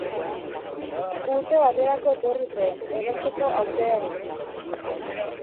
Urte baterako etorri zen, erosteko aukerarekin.